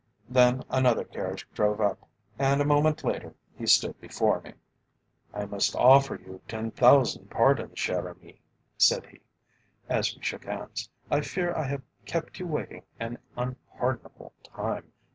Then another carriage drove up, and a moment later he stood before me. "I must offer you ten thousand pardons, cher ami," said he, as we shook hands. "I fear I have kept you waiting an unpardonable time.